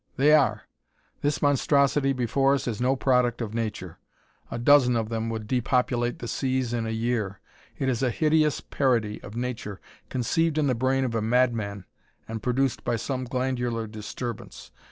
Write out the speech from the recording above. "They are. This monstrosity before us is no product of nature. A dozen of them would depopulate the seas in a year. It is a hideous parody of nature conceived in the brain of a madman and produced by some glandular disturbance.